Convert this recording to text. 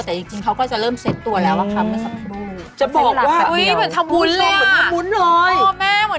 แต่จริงเขาก็จะเริ่มเซตตัวแล้วอะค่ะ